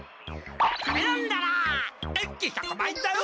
これ飲んだら元気１００倍だよ！